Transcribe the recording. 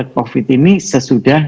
covid ini sesudah